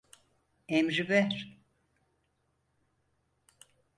Emri ver.